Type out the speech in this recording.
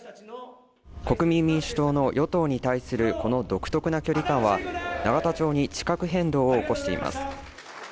国民民主党の与党に対するこの独特な距離感は永田町に地殻変動を起こしています。